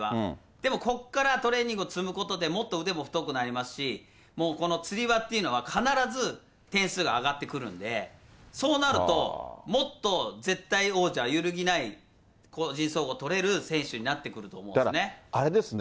でもここからトレーニングを積むことでもっと腕も太くなりますし、もうこのつり輪っていうのは、必ず点数が上がってくるんで、そうなると、もっと絶対王者、揺るぎない個人総合とれる選手になってくると思うんですね。